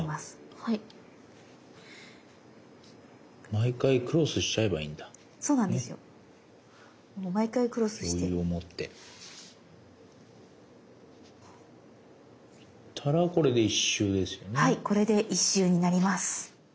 はいこれで１周になります。